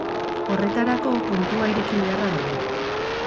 Horretarako kontua ireki beharra dago.